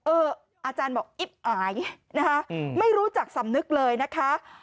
อาจารย์บอกอิ๊บอายนะคะไม่รู้จักสำนึกเลยนะคะ